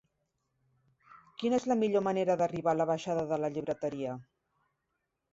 Quina és la millor manera d'arribar a la baixada de la Llibreteria?